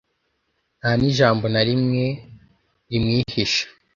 nta n’ijambo na rimwe rimwihisha.